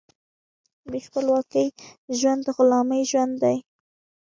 بې خپلواکۍ ژوند د غلامۍ ژوند دی.